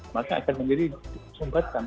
maka akan menjadi disumpatkan